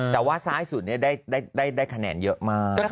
แต่ว่าซ้ายสุดได้คะแนนเยอะมาก